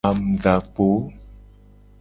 Angudakpo.